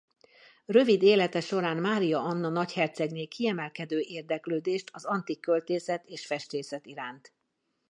Rövid élete során Mária Anna nagyhercegné kiemelkedő érdeklődést az antik költészet és festészet iránt.